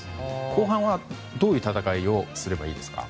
後半はどういう戦いをすればいいですか？